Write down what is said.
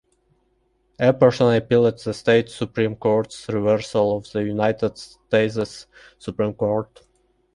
Epperson appealed the State Supreme Court's reversal to the United Stases Supreme Court.